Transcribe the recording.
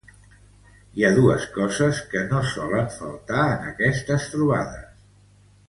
Hi ha dos coses que no solen faltar en estes trobades.